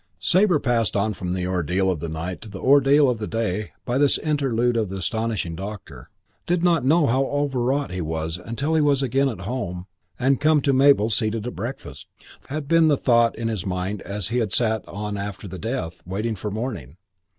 VI Sabre, passed on from the ordeal of the night to the ordeal of the day by this interlude of the astonishing doctor, did not know how overwrought he was until he was at home again and come to Mabel seated at breakfast. The thought in his mind as he walked had been the thought in his mind as he had sat on after the death, waiting for morning.